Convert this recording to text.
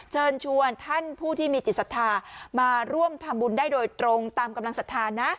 เชิญชวนท่านผู้ที่มีจิตศรัทธามาร่วมทำบุญได้โดยตรงตามกำลังศรัทธานะ